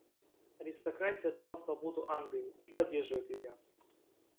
Аристократия дала свободу Англии и поддерживает ее.